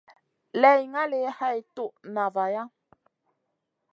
Lay ngali hay toud na vaya.